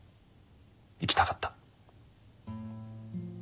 生きたかった。